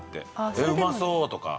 えうまそうとか。